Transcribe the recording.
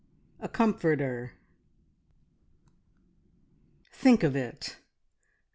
A COMFORTER. Think of it!